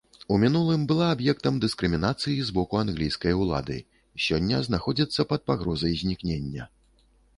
У мінулым была аб'ектам дыскрымінацыі з боку англійскай улады, сёння знаходзіцца пад пагрознай знікнення.